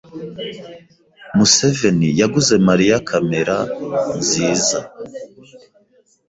Museveni yaguze Mariya kamera nziza.